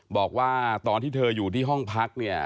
บอกว่าตอนที่เธออยู่ที่ห้องพักเนี่ย